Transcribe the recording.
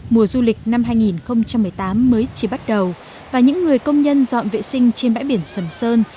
mùa du lịch năm hai nghìn một mươi tám mới chỉ bắt đầu và những người công nhân dọn vệ sinh trên bãi biển sầm sơn